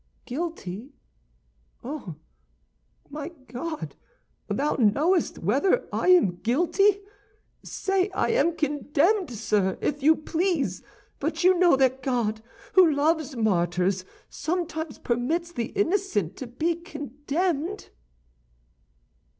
"Guilty? Oh, my God, thou knowest whether I am guilty! Say I am condemned, sir, if you please; but you know that God, who loves martyrs, sometimes permits the innocent to be condemned."